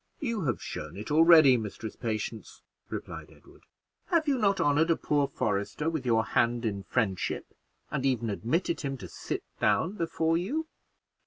"You have shown it already, Mistress Patience," replied Edward; "have you not honored a poor forester with your hand in friendship, and even admitted him to sit down before you?"